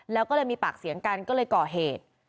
แล้วก็เลยมีปากเสียงกันก็เลยก่อเหตุ